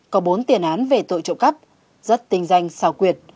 có bốn tiền án về tội trộm cắp rất tinh danh xào quyệt